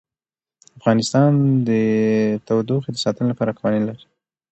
افغانستان د تودوخه د ساتنې لپاره قوانین لري.